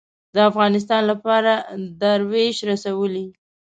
د افغانستان لپاره دروېش رسولې